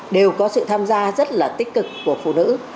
đều có sự tham gia rất là tích cực của phụ nữ